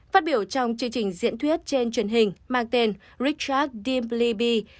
phát biểu trong chương trình diễn thuyết trên truyền hình mang tên richard die